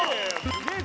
すげえ